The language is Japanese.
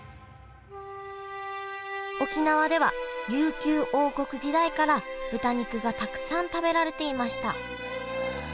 沖縄では琉球王国時代から豚肉がたくさん食べられていました。